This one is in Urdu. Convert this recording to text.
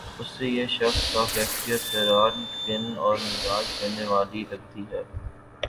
اسے یہ شخص یا کیفیت حیران کن اور مزا دینے والی لگتی ہے